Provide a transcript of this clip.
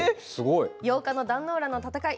８日の壇之浦の戦い